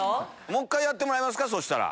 もう１回やってもらいますかそしたら。